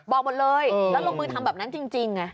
บอกหมดเลยแล้วลงมือทำแบบนั้นจริงไง